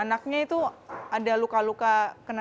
anaknya itu ada luka luka kena sempurna